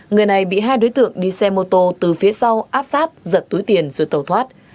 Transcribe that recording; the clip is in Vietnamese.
người này bị hai đối tượng đi xe mô tô từ phía sau áp sát giật túi tiền rồi tàu thoát